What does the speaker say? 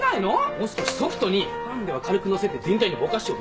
もう少しソフトにファンデは軽くのせて全体にボカシを入れる。